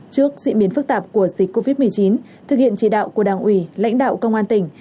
trước diễn biến phức tạp của dịch covid một mươi chín thực hiện chỉ đạo của đảng ủy lãnh đạo công an tỉnh